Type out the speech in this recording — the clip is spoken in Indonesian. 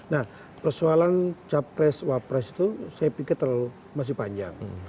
nah persoalan capres wapres itu saya pikir terlalu masih panjang